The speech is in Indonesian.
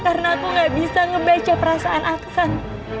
karena aku gak bisa ngebaca perasaan aksan